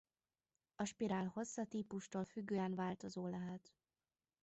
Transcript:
A spirál hossza típustól függően változó lehet.